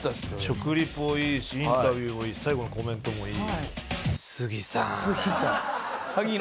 食リポいいしインタビューもいいし最後のコメントもいい。